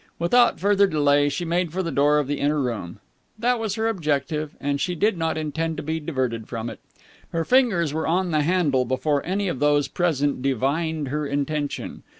Without further delay she made for the door of the inner room. That was her objective, and she did not intend to be diverted from it. Her fingers were on the handle before any of those present divined her intention.